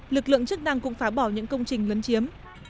lực lượng chức năng cũng phá bỏ những công trình lấn chiếm